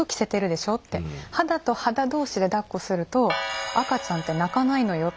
「肌と肌同士でだっこすると赤ちゃんって泣かないのよ」